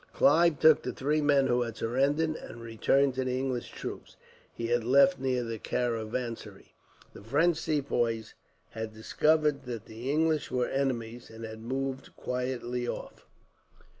Clive took the three men who had surrendered, and returned to the English troops he had left near the caravansary. The French Sepoys had discovered that the English were enemies, and had moved quietly off.